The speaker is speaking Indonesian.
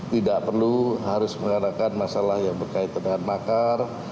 tidak perlu harus mengadakan masalah yang berkaitan dengan makar